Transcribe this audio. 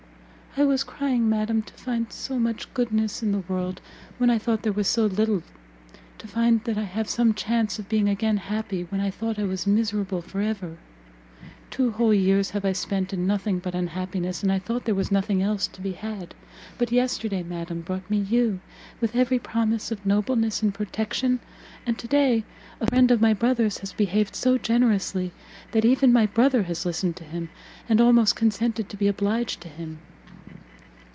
"I was crying, madam, to find so much goodness in the world, when I thought there was so little! to find I have some chance of being again happy, when I thought I was miserable for ever! Two whole years have I spent in nothing but unhappiness, and I thought there was nothing else to be had; but yesterday, madam, brought me you, with every promise of nobleness and protection; and to day, a friend of my brother's has behaved so generously, that even my brother has listened to him, and almost consented to be obliged to him!"